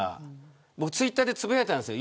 ツイッターでつぶやいたんです。